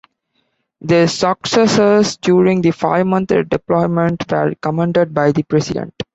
Their successes during the five-month deployment were commended by the President.